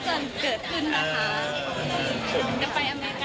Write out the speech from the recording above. จะไปอเมริกาหรือแม่